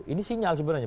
ini sinyal sebenarnya